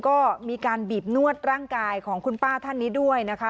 ก็มีการบีบนวดร่างกายของคุณป้าท่านนี้ด้วยนะคะ